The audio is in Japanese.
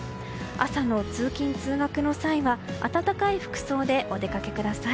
朝の通勤・通学の際は暖かい服装でお出かけください。